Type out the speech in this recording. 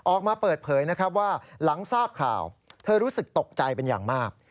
ออกมาเปิดเผยนะครับว่าหลังทราบข่าวเธอรู้สึกตกใจเป็นอย่างมาก